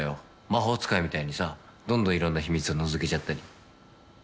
魔法使いみたいにさどんどんいろんな秘密をのぞけちゃったり。